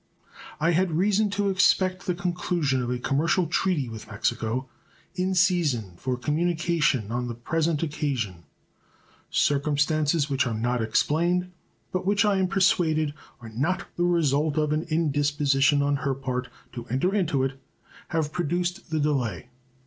I had reason to expect the conclusion of a commercial treaty with Mexico in season for communication on the present occasion. Circumstances which are not explained, but which I am persuaded are not the result of an indisposition on her part to enter into it, have produced the delay.